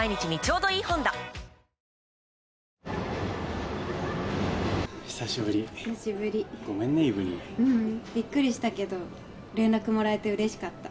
ううん。びっくりしたけど連絡もらえてうれしかった。